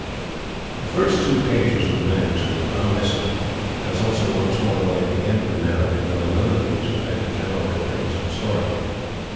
The first two pages of the manuscript are missing. There is also one torn away at the end of the narrative, though none of these affect the general coherence of the story.